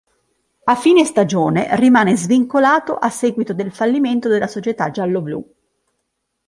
A fine stagione rimane svincolato a seguito del fallimento della società gialloblu.